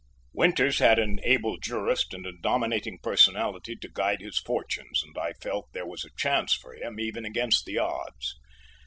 Winters had an able jurist and a dominating personality to guide his fortunes and I felt there was a chance for him even against the odds.